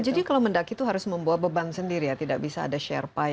jadi kalau mendaki itu harus membawa beban sendiri ya tidak bisa ada sherpa yang membawakan atau